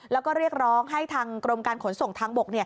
แล้วก็เรียกร้องให้ทางกรมการขนส่งทางบก